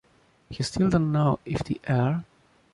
I still don’t know if the air